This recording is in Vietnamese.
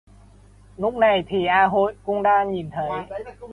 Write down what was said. Lúc này thì A Hội cũng đã nhìn thấy